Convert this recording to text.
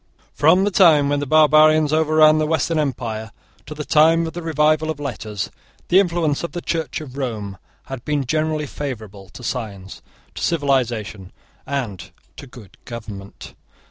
From the time when the barbarians overran the Western Empire to the time of the revival of letters, the influence of the Church of Rome had been generally favourable to science to civilisation, and to good government.